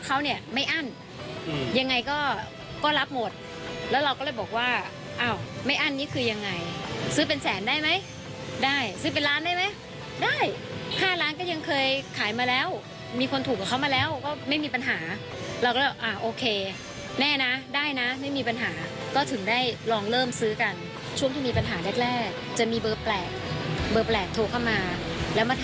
เขาเนี่ยไม่อั้นยังไงก็ก็รับหมดแล้วเราก็เลยบอกว่าอ้าวไม่อั้นนี่คือยังไงซื้อเป็นแสนได้ไหมได้ซื้อเป็นล้านได้ไหมได้๕ล้านก็ยังเคยขายมาแล้วมีคนถูกกับเขามาแล้วก็ไม่มีปัญหาเราก็อ่าโอเคแน่นะได้นะไม่มีปัญหาก็ถึงได้ลองเริ่มซื้อกันช่วงที่มีปัญหาแรกจะมีเบอร์แปลกเบอร์แปลกโทรเข้ามาแล้วมาท